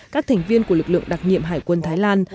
các thành viên của lực lượng đặc nhiệm hải quân thái lan